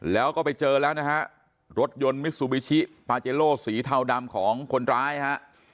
แล้วก็ไปเจอแล้วนะฮะรถยนต์มิซูบิชิปาเจโลสีเทาดำของคนร้ายฮะ